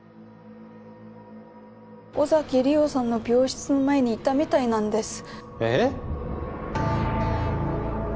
尾崎莉桜さんの病室の前にいたみたいなんですえっ？